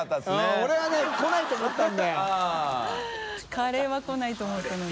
カレーは来ないと思ったのに。